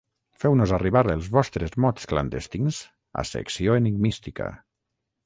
Feu-nos arribar els vostres mots clandestins a Secció Enigmística.